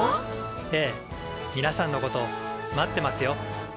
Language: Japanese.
ええみなさんのこと待ってますよ。